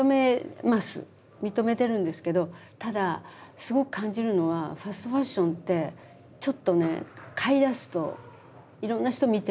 認めてるんですけどただすごく感じるのはファストファッションってちょっとね買いだすといろんな人見てると中毒になるんですよ。